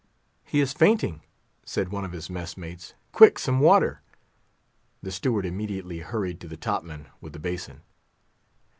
"He is fainting!" said one of his mess mates; "quick! some water!" The steward immediately hurried to the top man with the basin.